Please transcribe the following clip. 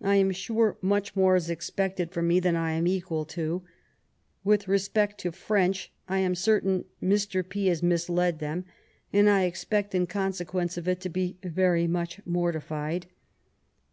I am sure much more is expected from ^e than I am equal to. With respect to French, I am certain Mr. P. has misled them, and I expect in con sequence of it to be very much mortified.